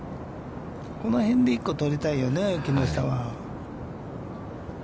この辺で１個取りたいね、木下は。